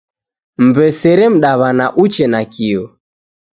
Mw'esere mdaw'ana uche nakio.